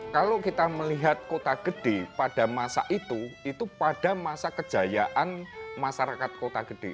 kalau kita melihat kota gede pada masa itu itu pada masa kejayaan masyarakat kota gede